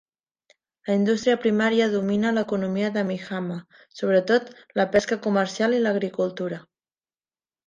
La indústria primària domina l'economia de Mihama, sobretot la pesca comercial i l'agricultura.